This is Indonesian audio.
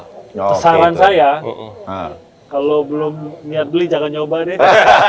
kesan saya kalau belum niat beli jangan nyoba deh